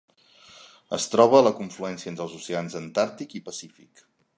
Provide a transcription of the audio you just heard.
Es troba a la confluència entre els oceans Antàrtic i Pacífic.